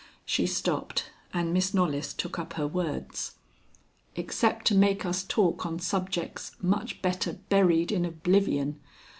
She stopped, and Miss Knollys took up her words: "Except to make us talk on subjects much better buried in oblivion.